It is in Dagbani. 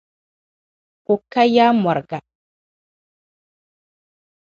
O ka ya' muriga.